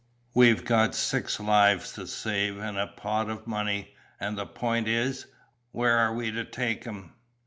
We've got six lives to save, and a pot of money; and the point is, where are we to take 'em?"